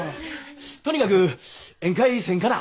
とにかく宴会せんかな？